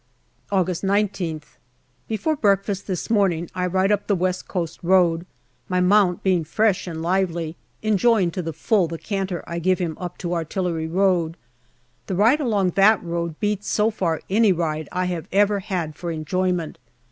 August I9th. Before breakfast this morning I ride up the West Coast road, my mount being fresh and lively, enjoying to the full the canter I give him up to Artillery Road. The ride along that road beats so far any ride I have ever had for enjoyment.